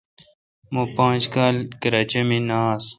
مہ پانچ کال کراچے°مے° نہ آس۔